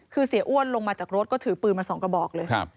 คือเสียอ้วนลงมาจากรถก็ถือปืนมา๒กระบอกเลย